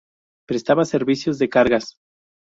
Prestaba servicios de cargas.